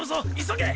急げ。